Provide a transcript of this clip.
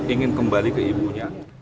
ingin kembali ke ibunya